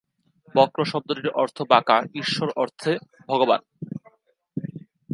বক্র শব্দটির অর্থ বাঁকা; ঈশ্বর অর্থে ভগবান।